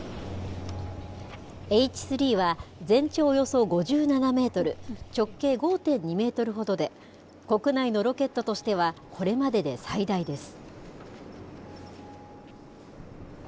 Ｈ３は全長およそ５７メートル、直径５．２メートルほどで、国内のロケットとしてはこれまでで最大です。